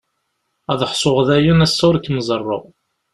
Ad ḥṣuɣ dayen assa ur kem-ẓerreɣ.